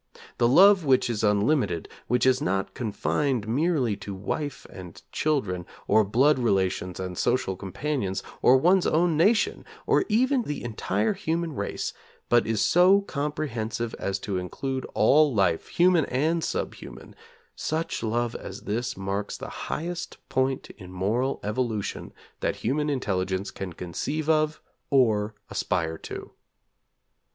The love which is unlimited, which is not confined merely to wife and children, or blood relations and social companions, or one's own nation, or even the entire human race, but is so comprehensive as to include all life, human and sub human; such love as this marks the highest point in moral evolution that human intelligence can conceive of or aspire to.